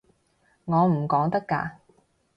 我唔講得㗎